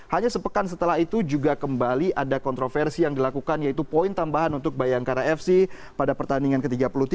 hanya sepekan setelah itu juga kembali ada kontroversi yang dilakukan yaitu poin tambahan untuk bayangkara fc pada pertandingan ke tiga puluh tiga